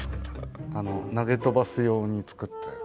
投げ飛ばす用に作ったやつ。